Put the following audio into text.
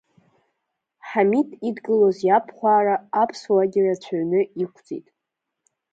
Ҳамид идгылоз иабхәараа аԥсуаагьы рацәаҩны иқәӡит.